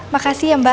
makasih ya mbak